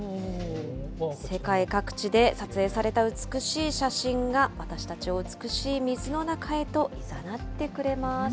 世界各地で撮影された美しい写真が、私たちを美しい水の中へといざなってくれます。